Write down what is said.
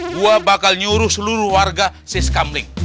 gua bakal nyuruh seluruh warga si skamling